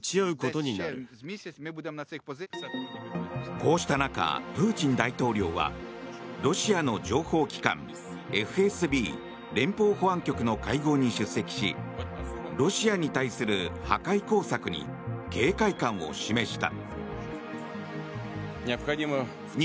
こうした中、プーチン大統領はロシアの情報機関ＦＳＢ・連邦保安局の会合に出席しロシアに対する破壊工作に警戒感を示した。